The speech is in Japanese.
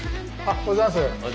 おはようございます。